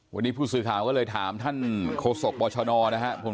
วันนี้ผู้สื่อข่าวก็เลยถามท่านโฆษกบชนนะครับ